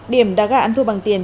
điểm đá gà ăn thu bằng tiền